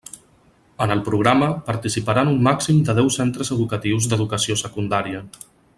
En el programa participaran un màxim de deu centres educatius d'Educació Secundària.